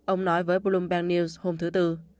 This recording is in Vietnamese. ông nói với bloomberg news hôm thứ tư